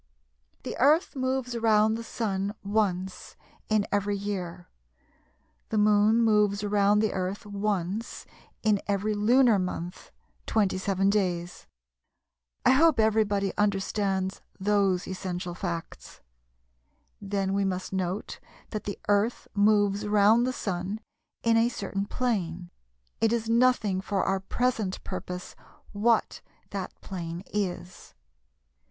The Earth moves round the Sun once in every year; the Moon moves round the Earth once in every lunar month (27 days). I hope everybody understands those essential facts. Then we must note that the Earth moves round the Sun in a certain plane (it is nothing for our present purpose what that plane is).